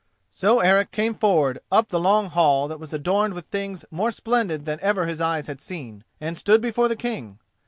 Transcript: So Eric came forward up the long hall that was adorned with things more splendid than ever his eyes had seen, and stood before the King.